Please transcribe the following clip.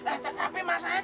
eh tapi mas syed